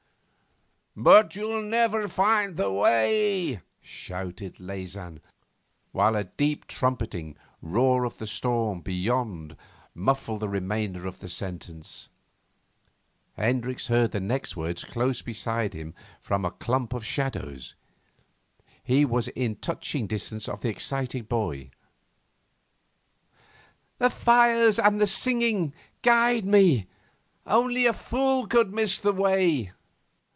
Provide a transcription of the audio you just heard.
'But you'll never find the way,' shouted Leysin, while a deep trumpeting roar of the storm beyond muffled the remainder of the sentence. Hendricks heard the next words close beside him from a clump of shadows. He was in touching distance of the excited boy. 'The fires and the singing guide me. Only a fool could miss the way.